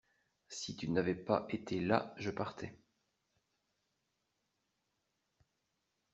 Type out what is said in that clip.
Si tu n’avais pas été là je partais.